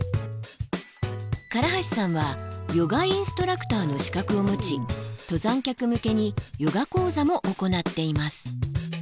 唐橋さんはヨガインストラクターの資格を持ち登山客向けにヨガ講座も行っています。